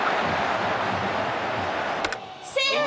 セーフ！